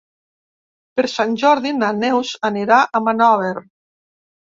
Per Sant Jordi na Neus anirà a Monòver.